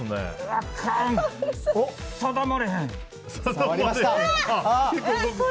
定まれへん。